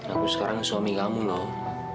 aku sekarang suami kamu loh